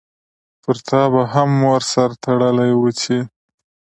پرتا به هم مور سر تړلی وو چی